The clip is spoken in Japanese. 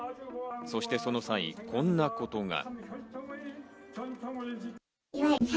そしてその際、こんなことが。